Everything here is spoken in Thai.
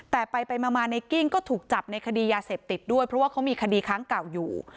แต่ไปมาในกิ้งก็ถูกจับในคดียาเสพติดด้วยเพราะว่าเขามีคดีค้างเก่าอยู่